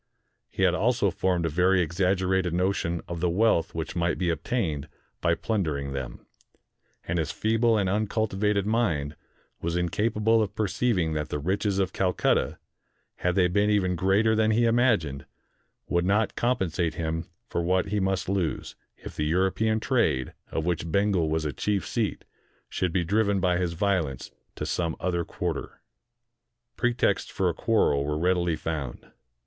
He had also formed a very exaggerated notion of the wealth which might be obtained by plundering them; and his feeble and uncultivated mind was inca pable of perceiving that the riches of Calcutta, had they been even greater than he imagined, would not compen sate him for what he must lose, if the European trade, of which Bengal was a chief seat, should be driven by his violence to some other quarter. Pretexts for a quarrel were readily found.